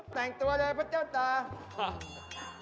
แสงตัอยังไงวะพระเจ้าตามา